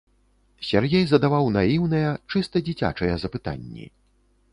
Сяргей задаваў наіўныя, чыста дзіцячыя запытанні.